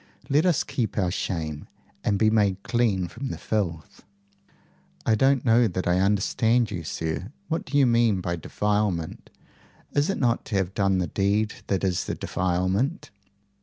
Let us keep our shame, and be made clean from the filth!" "I don't know that I understand you, sir. What do you mean by the defilement? Is it not to have done the deed that is the defilement?"